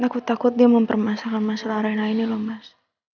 aku takut dia mempermasalahkan masalah arena ini loh mas